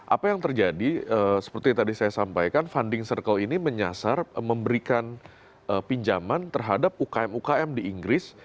apa yang terjadi seperti tadi saya sampaikan funding circle ini menyasar memberikan pinjaman terhadap ukm ukm di inggris